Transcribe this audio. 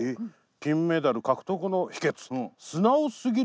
金メダル獲得の秘訣が聞ける。